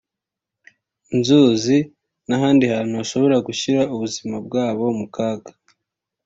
inzuzi n’ahandi hantu hashobora gushyira ubuzima bwabo mu kaga